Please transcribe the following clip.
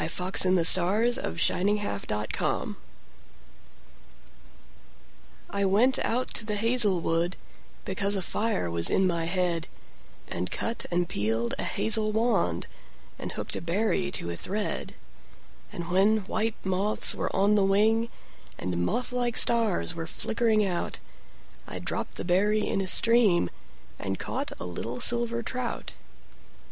9. The Song of Wandering Aengus I WENT out to the hazel wood, Because a fire was in my head, And cut and peeled a hazel wand, And hooked a berry to a thread; And when white moths were on the wing, And moth like stars were flickering out,I dropped the berry in a streamAnd caught a little silver trout.